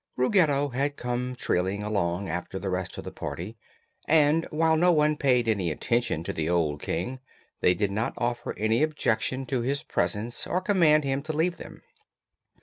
Ruggedo had come trailing along after the rest of the party and while no one paid any attention to the old King they did not offer any objection to his presence or command him to leave them.